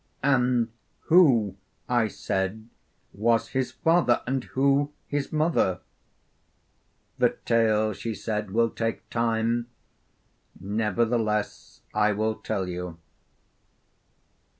'And who,' I said, 'was his father, and who his mother?' 'The tale,' she said, 'will take time; nevertheless I will tell you.